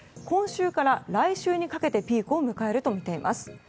今週から来週にかけてピークを迎えるとみています。